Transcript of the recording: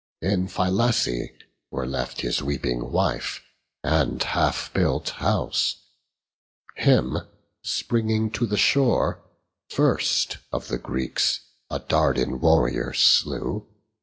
In Phylace were left his weeping wife, And half built house; him, springing to the shore, First of the Greeks, a Dardan warrior slew.